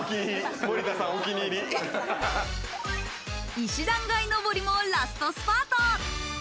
石段街上りもラストスパート。